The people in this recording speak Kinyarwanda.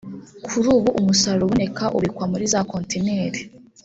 Kuri ubu umusaruro uboneka ubikwa muri za kontineri